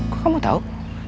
kok kamu tau